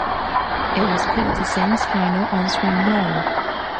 It was Peterson's final onscreen role.